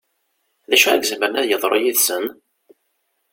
D acu i izemren ad d-yeḍru yid-sen?